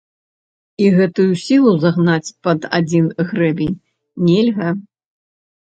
Я гэтую сілу загнаць пад адзін грэбень нельга.